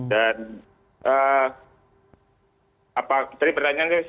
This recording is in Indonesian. dan apa tadi pertanyaannya